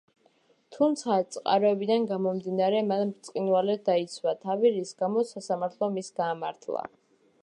თუმცა წყაროებიდან გამომდინარე, მან ბრწყინვალედ დაიცვა თავი, რის გამოც სასამართლომ ის გაამართლა.